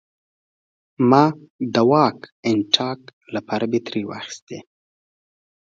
ما د واکي ټاکي لپاره بیټرۍ واخیستې